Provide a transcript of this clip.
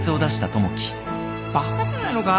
バカじゃないのか？